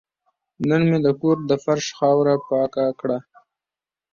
نن مې د کور د فرش خاوره پاکه کړه.